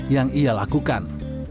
yang ia lakukan